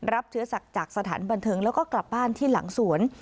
เชื้อศักดิ์จากสถานบันเทิงแล้วก็กลับบ้านที่หลังสวน